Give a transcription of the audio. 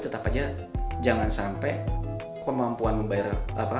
kemudian yang ketiga yang harus kita perhatikan juga adalah